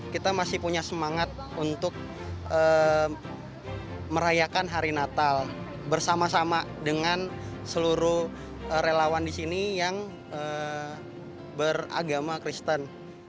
kita masih punya semangat untuk merayakan hari natal bersama sama dengan seluruh relawan di sini yang beragama kristen